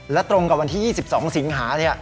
และตรงกับวันที่๒๒สิงหา